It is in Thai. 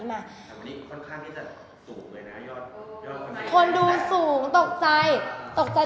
คนดูสูงตกใจ